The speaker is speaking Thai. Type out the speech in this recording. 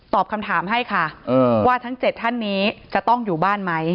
คำถามให้ค่ะว่าทั้ง๗ท่านนี้จะต้องอยู่บ้านไหม